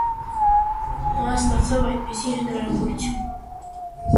Նա ստացավ այդպիսի հնարավորություն։